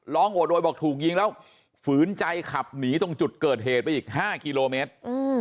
โอดโวยบอกถูกยิงแล้วฝืนใจขับหนีตรงจุดเกิดเหตุไปอีก๕กิโลเมตร